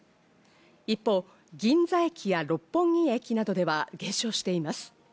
一方、銀座駅や六本木駅などでは減少しています。